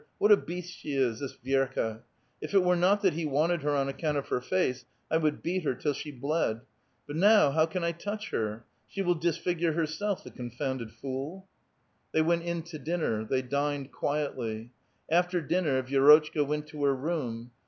What a beast she is! this Vierka ! If it were not that he wanted her on account of her face, I would beat her till she bled ! But now how can I touch her? She will disfigure herself, the confounded fool I " A VITAL QUESTION. 45 They went in to dinner. They dined quietly. After din ner Vi^rotchka went to her room.